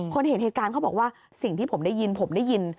เห็นเหตุการณ์เขาบอกว่าสิ่งที่ผมได้ยินผมได้ยิน